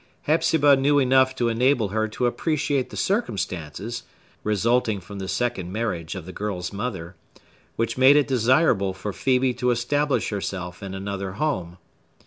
Hepzibah knew enough to enable her to appreciate the circumstances (resulting from the second marriage of the girl's mother) which made it desirable for Phœbe to establish herself in another home.